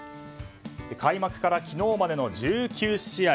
開幕から昨日までの１９試合